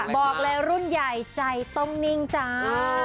บอกเลยรุ่นใหญ่ใจต้องนิ่งจ้า